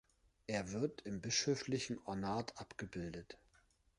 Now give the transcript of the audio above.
Er wird im bischöflichen Ornat abgebildet.